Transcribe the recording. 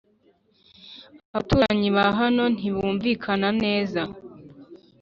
abuturanyi bahano ntibumvikana neza